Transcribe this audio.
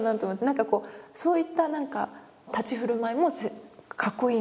何かこうそういった何か立ち居振る舞いもかっこいいんですよ。